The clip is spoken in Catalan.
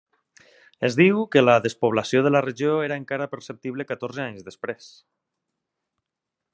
Es diu que la despoblació de la regió era encara perceptible catorze anys després.